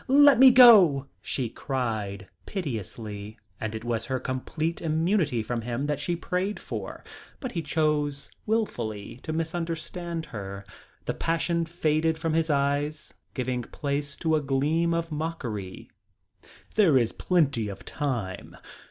"Let me go!" she cried piteously, and it was her complete immunity from him that she prayed for, but he chose wilfully to misunderstand her. The passion faded from his eyes, giving place to a gleam of mockery. "There is plenty of time.